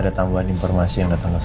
ada tambahan informasi yang datang ke sini